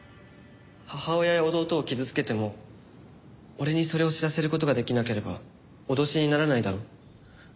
母親や弟を傷つけても俺にそれを知らせる事ができなければ脅しにならないだろ？